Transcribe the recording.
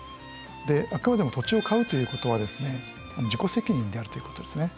であくまでも土地を買うということは自己責任であるということですね。